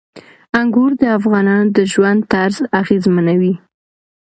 انګور د افغانانو د ژوند طرز اغېزمنوي.